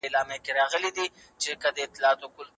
لوستې مور د ماشومانو د ؛خوراک نظم ته پام کوي.